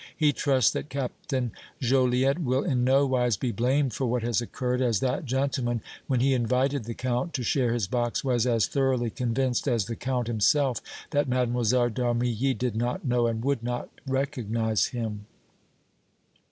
He trusts that Captain Joliette will in nowise be blamed for what has occurred, as that gentleman, when he invited the Count to share his box, was as thoroughly convinced as the Count himself that Mlle. d' Armilly did not know and would not recognize him."